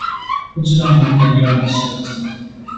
不知道能不能用來設計？